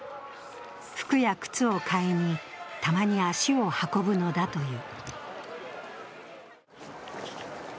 服や靴を買いに、たまに足を運ぶのだという。